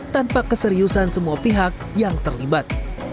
tanpa keseriusan semua pihak yang terlibat